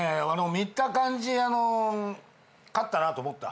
見た感じ勝ったなと思った。